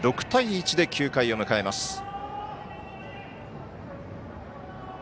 ６対１で９回を迎えます。